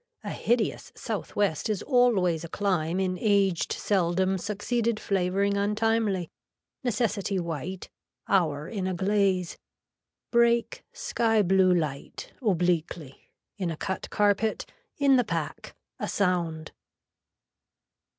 A hideous south west is always a climb in aged seldom succeeded flavoring untimely, necessity white, hour in a glaze. Break, sky blue light, obliquely, in a cut carpet, in the pack. A sound.